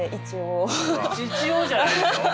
一応じゃないでしょ！